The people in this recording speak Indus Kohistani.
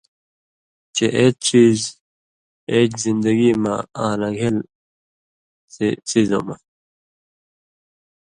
چے اېت څیز (اېتیۡ زِندگی مہ) آں لن٘گھېل څیزؤں نہ